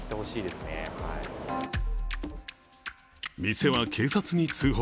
店は警察に通報。